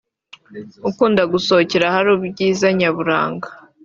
ukunda gusohokera ahari ibyiza nyaburanga